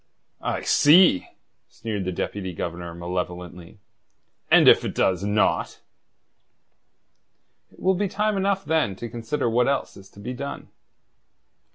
"I see!" sneered the Deputy Governor malevolently. "And if it does not?" "It will be time enough then to consider what else is to be done."